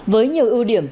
với nhiều ưu điểm